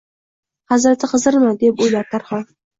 «Hazrati Xizrmi?» deb o’ylar Tarxon…